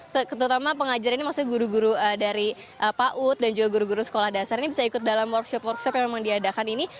terutama pengajar ini maksudnya guru guru dari paut dan juga guru guru sekolah dasar ini bisa ikut dalam workshop workshop yang memang diadakan ini